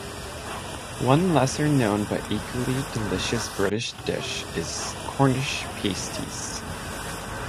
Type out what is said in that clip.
One lesser-known but equally delicious British dish is Cornish pasties.